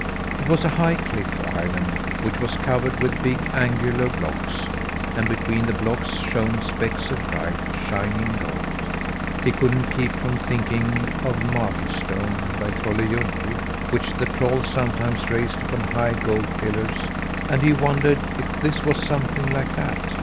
It was a high cliff island, which was covered with big, angular blocks; and between the blocks shone specks of bright, shining gold. He couldn't keep from thinking of Maglestone, by Trolle Ljungby, which the trolls sometimes raised upon high gold pillars; and he wondered if this was something like that.